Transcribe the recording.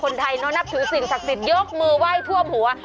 คนไทยนับถือสิ่งศักดิ์สิทธิยกมือไหว้ท่วมหัว